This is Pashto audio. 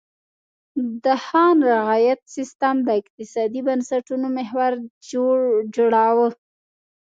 د خان رعیت سیستم د اقتصادي بنسټونو محور جوړاوه.